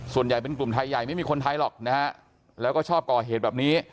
ส่วนใหญ่เป็นกลุ่มไทยใหญ่ไม่มีคนไทยหรอกนะฮะแล้วก็ชอบก่อเหตุแบบนี้